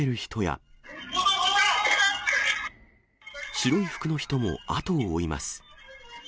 白い服の人も後を追います。